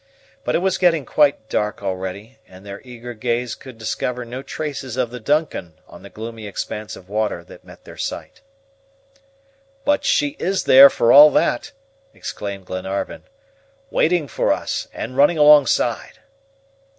But it was getting quite dark already, and their eager gaze could discover no traces of the DUNCAN on the gloomy expanse of water that met their sight. "But she is there, for all that," exclaimed Glenarvan, "waiting for us, and running alongside."